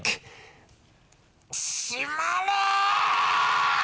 閉まれっ！